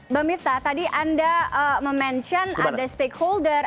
mbak mifta tadi anda memention ada stakeholder